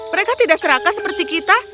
mereka tidak seraka seperti kita